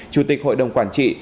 chủ tịch hội đồng quản trị